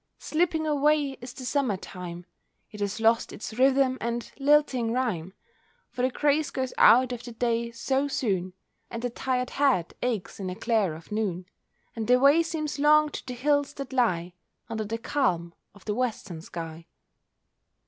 Slipping away is the Summer time; It has lost its rhythm and lilting rhyme— For the grace goes out of the day so soon, And the tired head aches in the glare of noon, And the way seems long to the hills that lie Under the calm of the western sky.